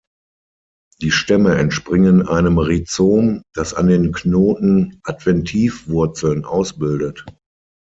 Die Stämme entspringen einem Rhizom, das an den Knoten Adventivwurzeln ausbildet.